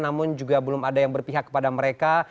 namun juga belum ada yang berpihak kepada mereka